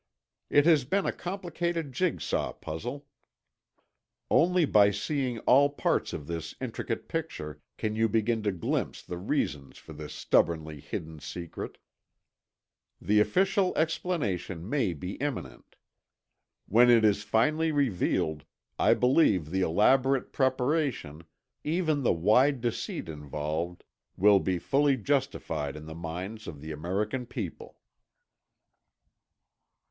It has been a complicated jigsaw puzzle. Only by seeing all parts of this intricate picture can you begin to glimpse the reasons for this stubbornly hidden secret. The official explanation may be imminent. When it is finally revealed, I believe the elaborate preparation—even the wide deceit involved—will be fully justified in the minds of the American people.